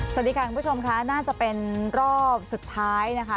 สวัสดีค่ะคุณผู้ชมค่ะน่าจะเป็นรอบสุดท้ายนะคะ